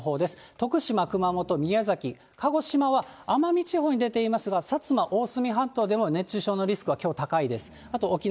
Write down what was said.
徳島、熊本、宮崎、鹿児島は奄美地方に出ていますが、薩摩、大隅半島でも熱中症のリスクはきょう高いです。